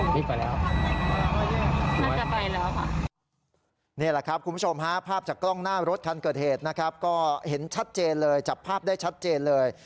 นี่แหละครับคุณผู้ชมฮะภาพจากกล้องหน้ารถคันเกิดเหตุนะครับก็เห็นชัดเจนเลยจับภาพได้ชัดเจนเลย